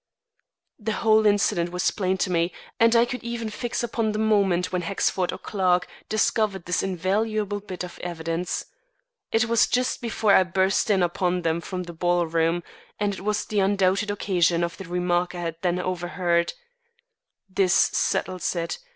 The whole incident was plain to me, and I could even fix upon the moment when Hexford or Clarke discovered this invaluable bit of evidence. It was just before I burst in upon them from the ballroom, and it was the undoubted occasion of the remark I then overheard: "_This settles it.